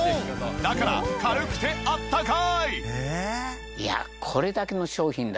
だから軽くてあったかい！